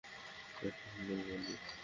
এটা অত্যন্ত গোপনীয়।